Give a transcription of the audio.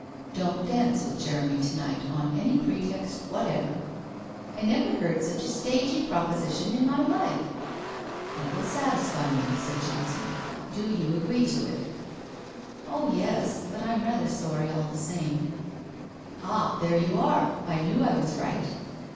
' Don't dance with Jeremy to night on any pretext whatever.' ' I never heard such a stagey proposition in my life !'' It will satisfy me,' said Johnson. ' Do you agree to it?' WHITE ROSE OF WEARY LEAF 119 ' Oh, yes, but I am rather sorry all the same/ c Ah there you are ! I knew I was right.'